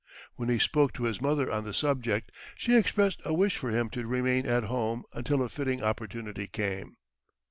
When he spoke to his mother on the subject, she expressed a wish for him to remain at home until a fitting opportunity came.